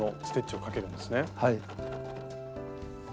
はい。